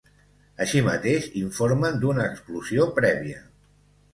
Així mateix, informen d’una explosió prèvia.